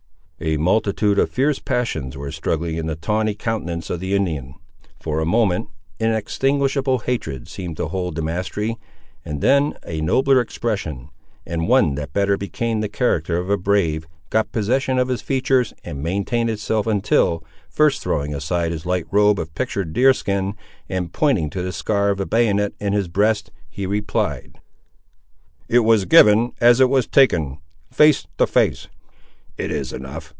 A multitude of fierce passions were struggling in the tawny countenance of the Indian. For a moment inextinguishable hatred seemed to hold the mastery, and then a nobler expression, and one that better became the character of a brave, got possession of his features, and maintained itself until, first throwing aside his light robe of pictured deer skin, and pointing to the scar of a bayonet in his breast, he replied— "It was given, as it was taken, face to face." "It is enough.